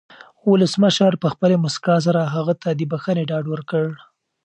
ولسمشر په خپلې مسکا سره هغه ته د بښنې ډاډ ورکړ.